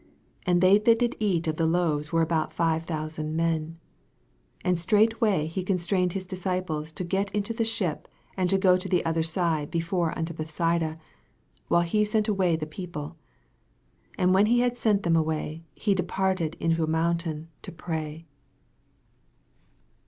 44 And they that did eat of the loaves were about five thousand men. 45 And straightway he constrained his disciples to get into the ship, and to go to the other side before unto Bethsaida, while he sent away the people. 46 And when he had sent them away, he departed into a mountain to pray.